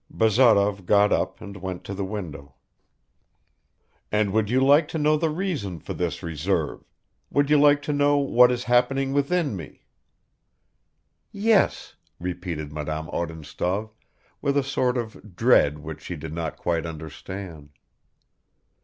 Bazarov got up and went to the window. "And would you like to know the reason for this reserve, would you like to know what is happening within me?" "Yes," repeated Madame Odintsov, with a sort of dread which she did not quite understand.